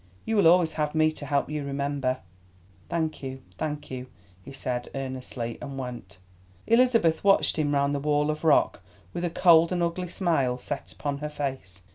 You will always have me to help you, remember." "Thank you, thank you," he said earnestly, and went. Elizabeth watched him round the wall of rock with a cold and ugly smile set upon her face.